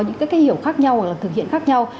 những cái hiểu khác nhau thực hiện khác nhau